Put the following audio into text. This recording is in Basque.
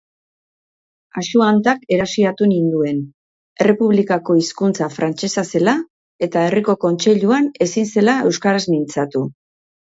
Axuantak erasiatu ninduen, Errepublikako hizkuntza frantsesa zela eta herriko kontseiluan ezin zela euskaraz mintzatu.